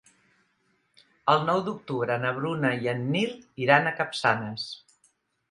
El nou d'octubre na Bruna i en Nil iran a Capçanes.